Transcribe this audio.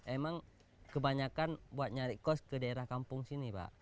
emang kebanyakan buat nyari kos ke daerah kampung sini pak